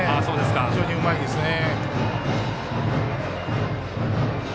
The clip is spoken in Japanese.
非常にうまいですね。